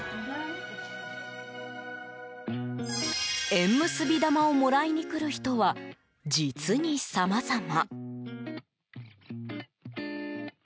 縁結び玉をもらいに来る人は実にさまざま。